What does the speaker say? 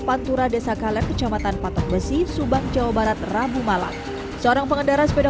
pantura desa kalem kecamatan patok besi subang jawa barat rabu malam seorang pengendara sepeda